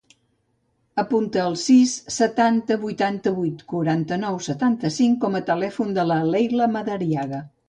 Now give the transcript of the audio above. Apunta el sis, setanta, vuitanta-vuit, quaranta-nou, setanta-cinc com a telèfon de la Leila Madariaga.